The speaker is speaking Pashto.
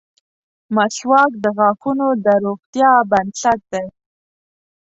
• مسواک د غاښونو د روغتیا بنسټ دی.